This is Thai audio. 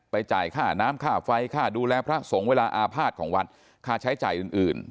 จ่ายค่าน้ำค่าไฟค่าดูแลพระสงฆ์เวลาอาภาษณ์ของวัดค่าใช้จ่ายอื่นอื่น